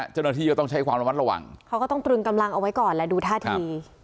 เจ้าหน้าที่ก็ต้องใช้ความระมัดระวังเขาก็ต้องตรึงกำลังเอาไว้ก่อนและดูท่าที